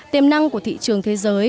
tiềm năng của thị trường thế giới